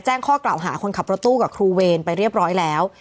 แจ้งข้อกล่าวหาคนขับรถตู้กับครูเวรไปเรียบร้อยแล้ว